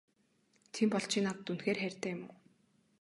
Тийм бол чи надад үнэхээр хайртай юм уу?